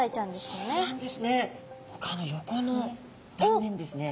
そうなんですね。